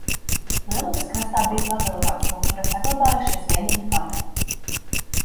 Lielupes krastā bija paviljons, no kura saglabājušies vienīgi pamati.